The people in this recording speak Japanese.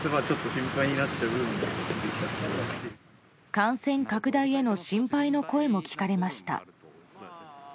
感染拡大への心配の声も聞かれました。